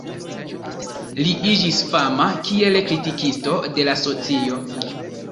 Li iĝis fama kiel kritikisto de la socio.